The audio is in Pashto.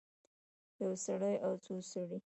یو سړی او څو سړي